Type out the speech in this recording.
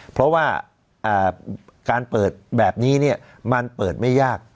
เพราะว่าการเปิดแบบนี้มันเปิดไม่ยาก